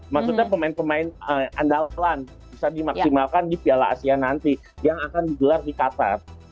maksudnya pemain pemain andalan bisa dimaksimalkan di piala asia nanti yang akan digelar di qatar